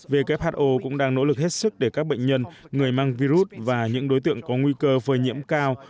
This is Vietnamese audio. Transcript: who cũng đang nỗ lực hết sức để các bệnh nhân người mang virus và những đối tượng có nguy cơ phơi nhiễm cao